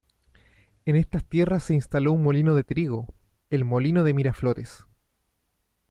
En estas tierras se instaló un molino de trigo, el Molino de Miraflores.